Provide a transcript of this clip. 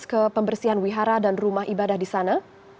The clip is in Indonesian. ke pembersihan wihara dan rumah ibadah di sana